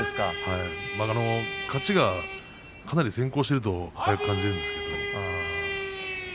勝ちが先行していると早く感じるんですが。